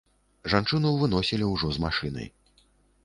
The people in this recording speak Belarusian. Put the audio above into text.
Жанчыну выносілі ўжо з машыны.